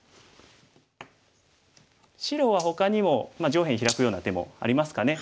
白はほかにも上辺ヒラくような手もありますかね。